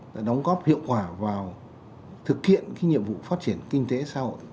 đã đóng góp hiệu quả vào thực hiện nhiệm vụ phát triển kinh tế xã hội